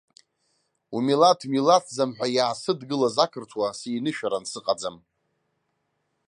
Умилаҭ милаҭӡам ҳәа иаасыдгылаз ақырҭуа синышәаран сыҟаӡам.